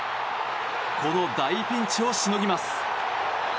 この大ピンチをしのぎます。